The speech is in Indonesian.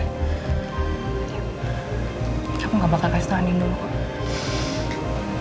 aku gak bakal kasih tau andien dulu